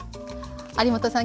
有元さん